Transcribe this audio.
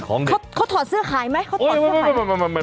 เขาถอดเสื้อขายมั้ย